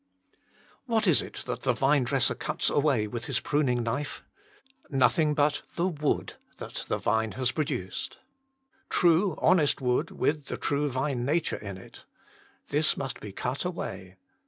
What is it that the vinedresser cuts away with his pruning knife ? Nothing but the wood that the branch has produced true, honest wood, with the true vine nature in it. This must be cut away.